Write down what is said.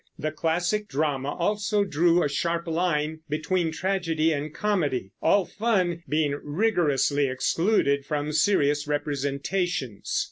The classic drama also drew a sharp line between tragedy and comedy, all fun being rigorously excluded from serious representations.